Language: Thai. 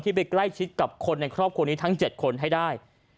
ไปใกล้ชิดกับคนในครอบครัวนี้ทั้ง๗คนให้ได้